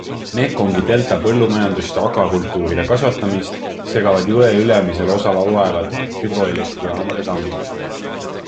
Mekongi delta põllumajandust ja akvakultuuride kasvatamist segavad jõe ülemisel osal olevad hüdroelektrijaamade tammid.